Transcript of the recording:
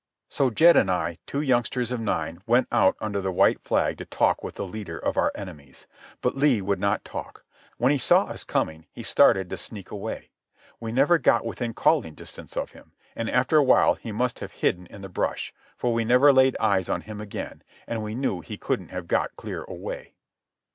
So Jed and I, two youngsters of nine, went out under the white flag to talk with the leader of our enemies. But Lee would not talk. When he saw us coming he started to sneak away. We never got within calling distance of him, and after a while he must have hidden in the brush; for we never laid eyes on him again, and we knew he couldn't have got clear away.